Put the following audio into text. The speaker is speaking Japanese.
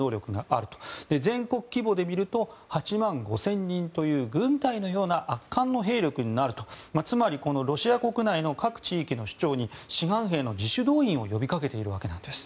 全国規模でみると８万５０００人という軍隊のような圧巻の兵力になるとつまり、ロシア国内の各地域の首長に志願兵の自主動員を呼びかけているわけなんです。